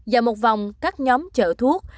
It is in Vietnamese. dạo một vòng các nhóm chợ thuốc